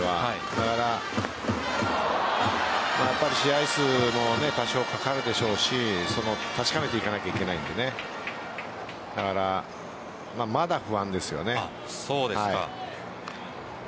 だから試合数も多少かかるでしょうし確かめていかなければいけないのでまだ不安ですよね。